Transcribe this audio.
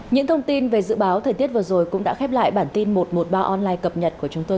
những thông tin về dự báo thời tiết vừa rồi cũng đã khép lại bản tin một trăm một mươi ba online cập nhật của chúng tôi